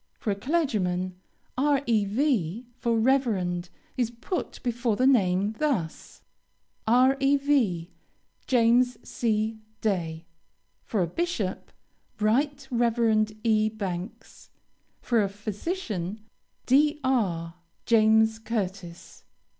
For a clergyman, Rev. for Reverend is put before the name, thus: REV. JAMES C. DAY. For a bishop: RIGHT REVEREND E. BANKS. For a physician: DR. JAMES CURTIS.